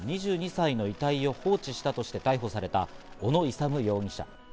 ２２歳の遺体を放置したとして逮捕された小野勇容疑者。